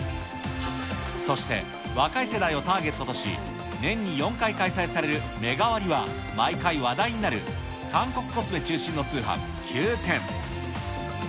そして、若い世代をターゲットとし、年に４回開催されるメガ割が毎回話題になる韓国コスメ中心の通販、キューテン。